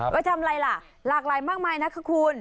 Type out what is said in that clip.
ไปทำอะไรล่ะหลากหลายมากมายนะคะคุณ